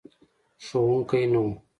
ښوونکی نه و.